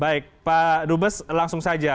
baik pak dubes langsung saja